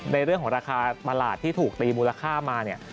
ในเรื่องของราคาตลาดที่ถูกตีมูลค่ามาเนี่ย